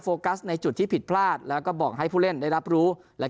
กัสในจุดที่ผิดพลาดแล้วก็บอกให้ผู้เล่นได้รับรู้และ